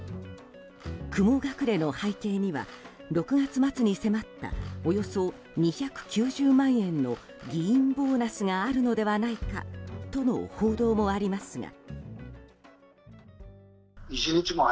雲隠れの背景には６月末に迫ったおよそ２９０万円の議員ボーナスがあるのではないかとの報道もありますが。